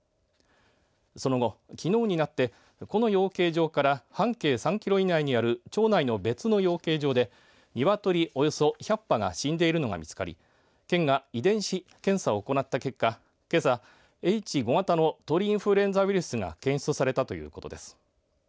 その後きのうになってこの養鶏場から半径３キロ以内にある町内の別の養鶏場でニワトリ、およそ１００羽が死んでいるのが見つかり県が遺伝子検査を行った結果けさ、Ｈ５型の鳥インフルエンザウイルスが検出されたということです。